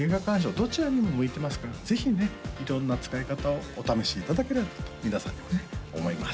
どちらにも向いてますからぜひね色んな使い方をお試しいただければと皆さんにもね思います